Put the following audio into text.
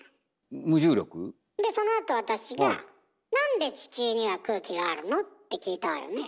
そのあと私が「なんで地球には空気があるの？」って聞いたわよね？